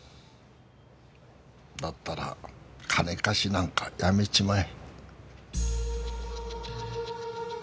だったら金貸しなんか辞めちまえ。